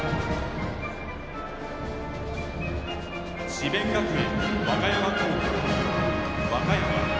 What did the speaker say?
智弁学園和歌山高校・和歌山。